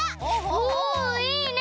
おおいいね。